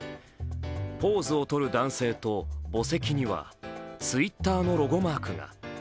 ポーズを取る男性と、墓石にはＴｗｉｔｔｅｒのロゴマークが。